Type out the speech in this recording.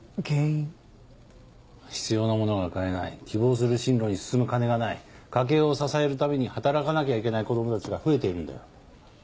必要なものが買えない希望する進路に進む金がない家計を支えるために働かなきゃいけない子供たちが増えているんだよ。